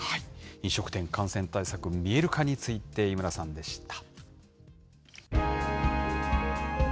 飲食店、感染対策見える化について、井村さんでした。